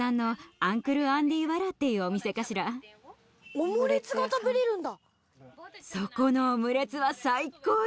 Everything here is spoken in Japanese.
オムレツが食べれるんだ。